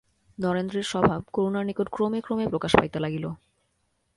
নরেন্দ্রের স্বভাব করুণার নিকট ক্রমে ক্রমে প্রকাশ পাইতে লাগিল।